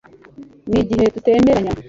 nigihe tutemeranya